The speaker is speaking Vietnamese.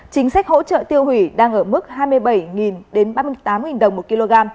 chính sách hỗ trợ tiêu hủy đang ở mức hai mươi bảy đến ba mươi tám đồng một kg